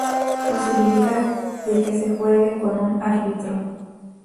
Posibilidad de que se juegue con un árbitro.